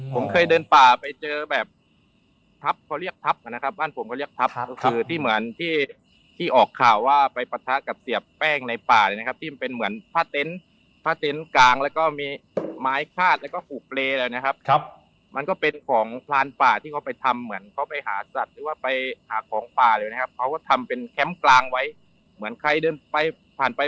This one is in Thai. ผมเคยเดินป่าไปเจอแบบทับเขาเรียกทับก่อนนะครับบ้านผมเขาเรียกทับครับคือที่เหมือนที่ที่ออกข่าวว่าไปปรัฐกับเสียแป้งในป่าเลยนะครับที่มันเป็นเหมือนผ้าเต็นต์ผ้าเต็นต์กางแล้วก็มีไม้คาดแล้วก็หุบเลแล้วนะครับครับมันก็เป็นของพลานป่าที่เขาไปทำเหมือนเขาไปหาสัตว์หรือว่าไปหาของป่าเลยนะครับเขาก